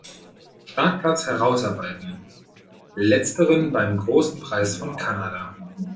Startplatz herausarbeiten, letzteren beim Großen Preis von Kanada.